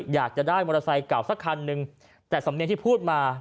อยากจะได้มอเตอร์ไซค์เก่าสักคันนึงแต่สำเนียงที่พูดมา